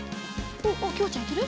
おっきほちゃんいける？